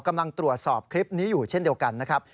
กำลังตรวจสอบคลิปนี้อยู่เช่นเดียวกันนะครับ